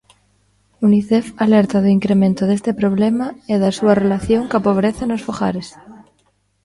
Unicef alerta do incremento deste problema e da súa relación coa pobreza nos fogares.